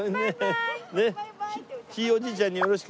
ねっひいおじいちゃんによろしくね。